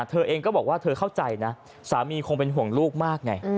เธอเองก็บอกว่าเธอเข้าใจนะสามีคงเป็นห่วงลูกมากไง